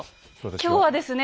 今日はですね